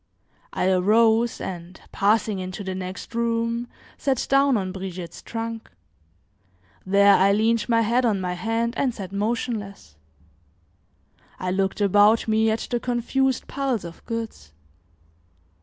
I arose and, passing into the next room, sat down on Brigitte's trunk. There, I leaned my head on my hand and sat motionless. I looked about me at the confused piles of goods.